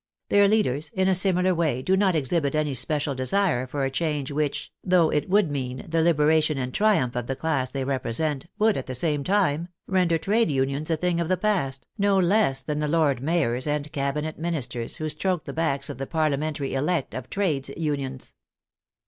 Their leaders, in a similar way, do not exhibit any special desire for a change which, though it would mean the liberation and triumph of the class they represent, would, at the same time, render trade unions a thing of the past, no less than the lord mayors and cabinet ministers who stroke the backs of the parliamentary elect of trades unions.